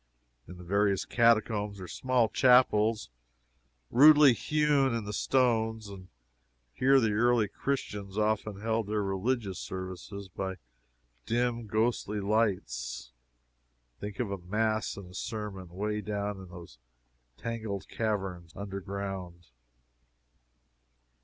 In the various catacombs are small chapels rudely hewn in the stones, and here the early Christians often held their religious services by dim, ghostly lights. Think of mass and a sermon away down in those tangled caverns under ground!